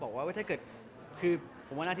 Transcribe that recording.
ผมได้ยินว่าเริ่มเดือนหน้ายัง